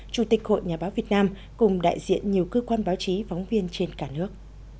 chủ tịch hội nhà báo việt nam cùng đại diện nhiều cơ quan báo chí phóng viên trên cả nước